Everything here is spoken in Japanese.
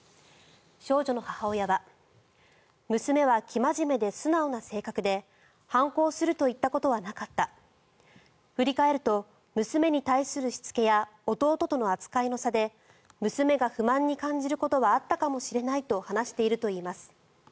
少女の母親は娘は生真面目で素直な性格で反抗するといったことはなかった振り返ると、娘に対するしつけや弟の扱いの差で娘が不満に感じることはあったかもしれないと話しているといいます。